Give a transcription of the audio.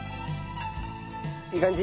いい感じ？